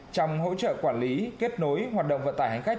trong hỗ trợ quản lý kết nối hoạt động vận tải hành khách